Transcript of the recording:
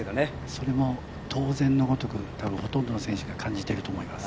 それも当然のごとく多分、ほとんどの選手が感じてると思います。